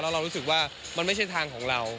เรารู้สึกว่ามันไม่ใช่ทางของเรา